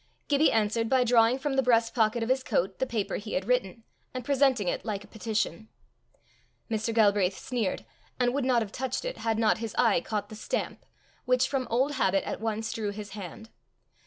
Gibbie answered by drawing from the breast pocket of his coat the paper he had written, and presenting it like a petition. Mr. Galbraith sneered, and would not have touched it had not his eye caught the stamp, which from old habit at once drew his hand.